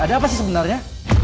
ada apa sih sebenarnya